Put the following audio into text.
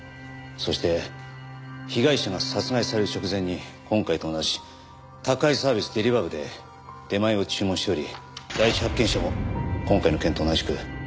そして被害者が殺害される直前に今回と同じ宅配サービスデリバー部で出前を注文しており第一発見者も今回の件と同じく配達員でした。